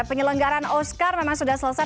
penyelenggaran oscar memang sudah selesai